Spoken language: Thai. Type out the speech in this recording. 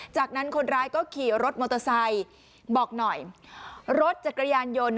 จากนั้นคนร้ายก็ขี่รถมอเตอร์ไซค์บอกหน่อยรถจักรยานยนต์